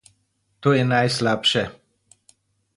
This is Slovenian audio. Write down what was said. To je najslabše.